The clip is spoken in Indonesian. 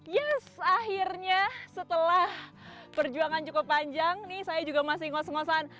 yes akhirnya setelah perjuangan cukup panjang nih saya juga masih ngos ngosan